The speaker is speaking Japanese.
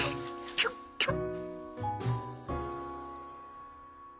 キュッキュッ。